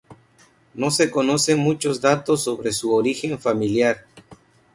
No se conocen muchos datos sobre su origen familiar.